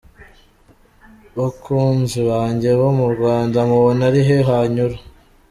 Bakunzi banjye bo mu Rwanda mubona ari he hanyura?”.